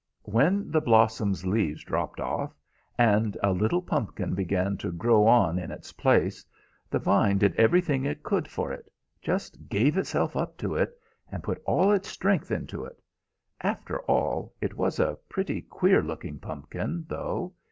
"When the blossom's leaves dropped off, and a little pumpkin began to grow on in its place, the vine did everything it could for it; just gave itself up to it, and put all its strength into it. After all, it was a pretty queer looking pumpkin, though.